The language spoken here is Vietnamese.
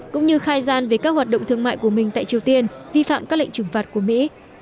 cũng như khai gian về các hoạt động thương mại của mình tại triều tiên vi phạm các lệnh trừng phạt của mỹ